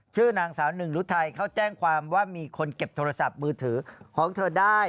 ชื่อนางสาวหนึ่งรุทัยเขาแจ้งความว่ามีคนเก็บโทรศัพท์มือถือของเธอได้